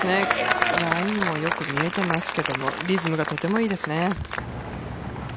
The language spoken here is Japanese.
ラインもよく見えていますがリズムがとてもいいですね。